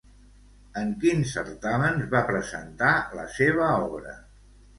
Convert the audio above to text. En quins certàmens va presentar la seva obra?